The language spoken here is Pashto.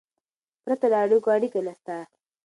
پرته له اړیکو، اړیکه نسته.